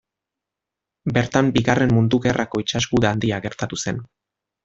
Bertan Bigarren Mundu Gerrako itsas guda handia gertatu zen.